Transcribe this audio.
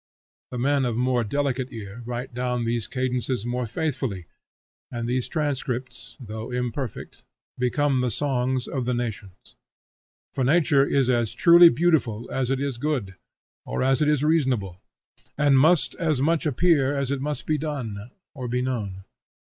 The men of more delicate ear write down these cadences more faithfully, and these transcripts, though imperfect, become the songs of the nations. For nature is as truly beautiful as it is good, or as it is reasonable, and must as much appear as it must be done, or be known.